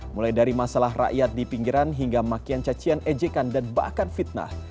mulai dari masalah rakyat di pinggiran hingga makian cacian ejekan dan bahkan fitnah